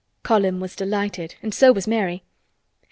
Colin was delighted and so was Mary.